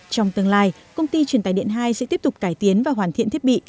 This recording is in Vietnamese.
trong tương lai công ty truyền tài điện hai sẽ tiếp tục cải tiến và hoàn thiện thiết bị